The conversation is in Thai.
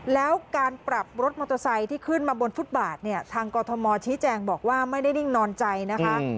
แล้วการปรับรถมอเตอร์ไซค์ที่ขึ้นมาบนฟุตบาทเนี่ยทางกรทมชี้แจงบอกว่าไม่ได้นิ่งนอนใจนะคะ